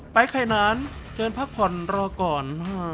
ไปไข่น้านเจอแรงพักผ่อนรอก่อน